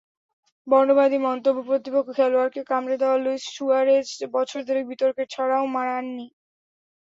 বর্ণবাদী মন্তব্য, প্রতিপক্ষ খেলোয়াড়কে কামড়ে দেওয়া—লুইস সুয়ারেজ বছর দেড়েক বিতর্কের ছায়াও মাড়াননি।